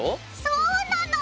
そうなの！